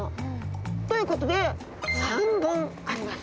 ということで３本あります。